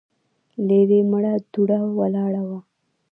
ليرې مړه دوړه ولاړه وه.